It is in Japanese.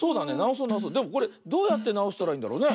でもこれどうやってなおしたらいいんだろうね？